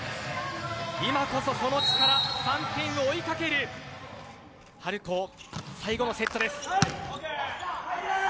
今こそその力３点を追いかける春高最後のセットです。